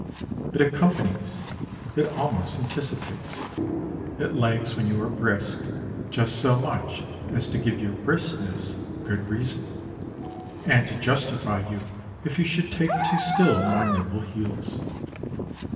It accompanies, it almost anticipates; it lags when you are brisk, just so much as to give your briskness good reason, and to justify you if you should take to still more nimble heels.